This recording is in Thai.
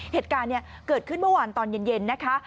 เหตุการณ์เกิดขึ้นเมื่อวานตอนเย็นนะคะ